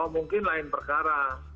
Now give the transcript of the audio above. mungkin lain perkara